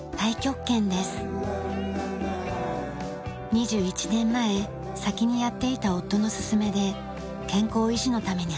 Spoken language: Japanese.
２１年前先にやっていた夫の勧めで健康維持のために始めました。